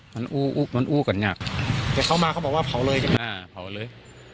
มันอู้อู้มันอู้กันอย่างเขามาเขาบอกว่าเผาเลยกันอ่าเผาเลย